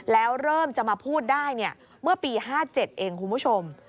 แล้วเริ่มจะมาพูดได้เมื่อปี๕๗เองคุณผู้ชม